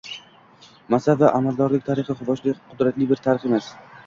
Mansab va amaldorlik tarixi – quvonchli, qudratli bir tarix emas.